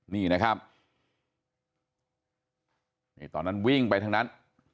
นี่นะครับนี่ตอนนั้นวิ่งไปทางนั้น